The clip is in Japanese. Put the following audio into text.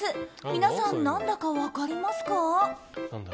皆さん、何だか分かりますか？